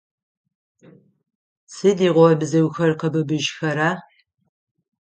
Сыдигъо бзыухэр къэбыбыжьхэра?